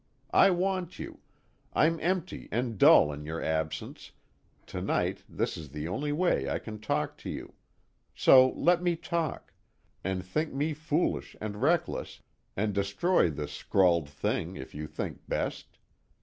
I want you, I'm empty and dull in your absence, tonight this is the only way I can talk to you. So let me talk, and think me foolish and reckless, and destroy this scrawled thing if you think best.